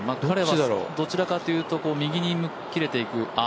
彼はどちらかというと右に切れていく。